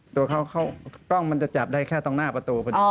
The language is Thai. ตัวเขาเข้ากล้องมันจะจับได้แค่ตอนหน้าประตู